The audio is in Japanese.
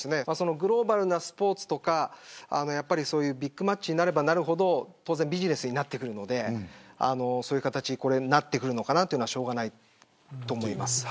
グローバルなスポーツとかビッグマッチになればなるほど当然ビジネスになるのでそういう形になってくるのかなというのはしょうがないと思います。